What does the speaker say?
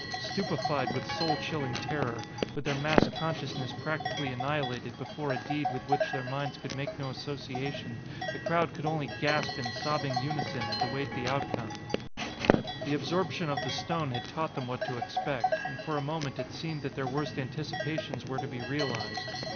Stupefied with soul chilling terror, with their mass consciousness practically annihilated before a deed with which their minds could make no association, the crowd could only gasp in sobbing unison and await the outcome. The absorption of the stone had taught them what to expect, and for a moment it seemed that their worst anticipations were to be realised.